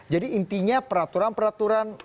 jadi intinya peraturan peraturan